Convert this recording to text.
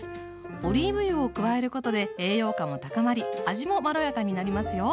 オリーブ油を加えることで栄養価も高まり味もまろやかになりますよ。